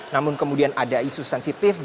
namun kemudian ada isu sensitif